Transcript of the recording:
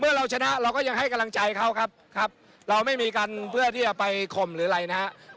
เราชนะเราก็ยังให้กำลังใจเขาครับครับเราไม่มีกันเพื่อที่จะไปข่มหรืออะไรนะครับ